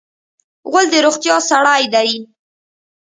غول د روغتیا سړی دی.